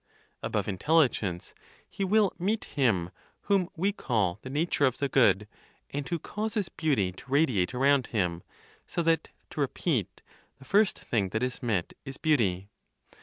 Above intelligence, he will meet Him whom we call the nature of the Good, and who causes beauty to radiate around Him; so that, to repeat, the first thing that is met is beauty.